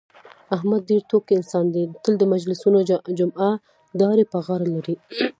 احمد ډېر ټوکي انسان دی، تل د مجلسونو جمعه داري په غاړه لري.